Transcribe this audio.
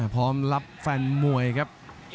พร้อมรับแฟนมวยครับ